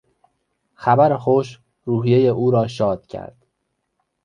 خبر خوش روحیهی او را شاد کرد.